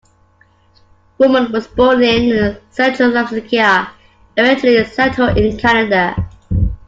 Roman was born in Czechoslovakia and eventually settled in Canada.